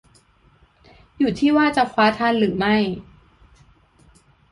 อยู่ที่ว่าจะคว้าทันหรือไม่